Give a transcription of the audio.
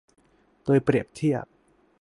โดยเปรียบเทียบ